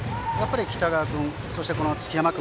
北川君、そして築山君